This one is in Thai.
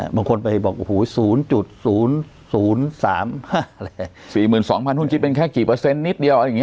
บางคนไปบอก๐๐๓๕อะไรซี่หมื่นสองพันหุ้นกิจเป็นแค่กี่เปอร์เซ็นต์นิดเดียว